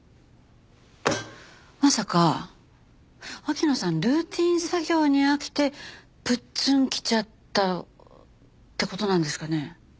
まさか秋野さんルーティン作業に飽きてプッツンきちゃったって事なんですかね？